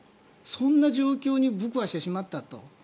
そんな状況に僕はしてしまったと。